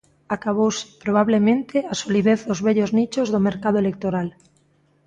Acabouse, probablemente, a solidez dos vellos nichos do mercado electoral.